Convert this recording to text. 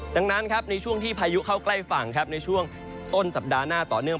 ดังนั้นครับในช่วงที่พายุเข้าใกล้ฝั่งครับในช่วงต้นสัปดาห์หน้าต่อเนื่อง